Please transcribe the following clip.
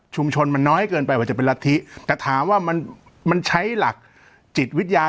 มันน้อยเกินไปกว่าจะเป็นรัฐธิแต่ถามว่ามันมันใช้หลักจิตวิทยา